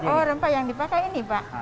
oh rempah yang dipakai ini pak